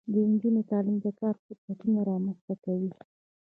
د نجونو تعلیم د کار فرصتونه رامنځته کوي.